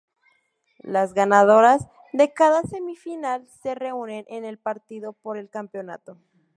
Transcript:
Las ganadoras de cada semifinal se reúnen en el partido por el campeonato.